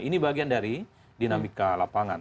ini bagian dari dinamika lapangan